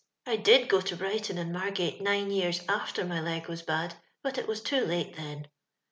I did go to Brighton and Margate nine years after my leg was bad, but it was too late then.